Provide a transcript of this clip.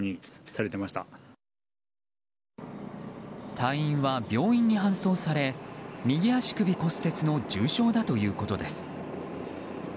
隊員は病院に搬送され右足首骨折の重傷だということです。